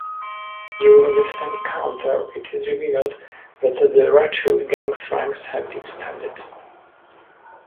During this encounter, it is revealed that the Red Hood Gang's ranks have expanded.